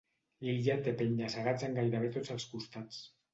L'illa té penya-segats en gairebé tots els costats.